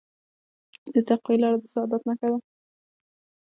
د تقوی لاره د سعادت نښه ده.